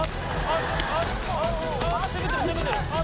攻めてる攻めてる！